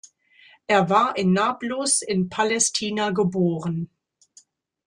Er war in Nablus in Palästina geboren.